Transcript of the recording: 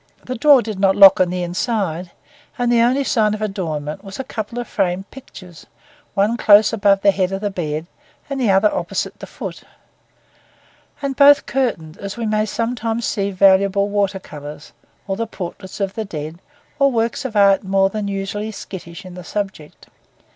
The door did not lock on the inside; and the only sign of adornment was a couple of framed pictures, one close above the head of the bed, and the other opposite the foot, and both curtained, as we may sometimes see valuable water colours, or the portraits of the dead, or works of art more than usually skittish in the subject.